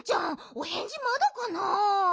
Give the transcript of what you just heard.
おへんじまだかな？